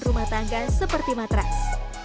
dan rumah tangga seperti matras